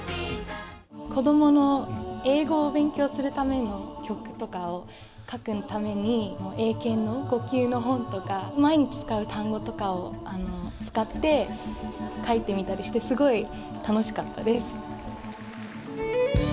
子どもの英語を勉強するための曲とかを書くために、英検５級の本とか、毎日使う単語とかを使って、書いてみたりして、すごい楽しかったです。